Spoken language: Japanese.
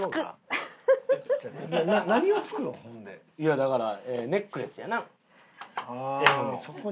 いやだからネックレスやな「Ｍ」の。